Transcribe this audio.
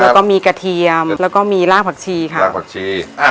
แล้วก็มีกระเทียมแล้วก็มีรากผักชีค่ะรากผักชีอ่า